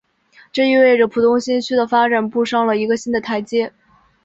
这意味着浦东新区的发展步上了一个新的台阶。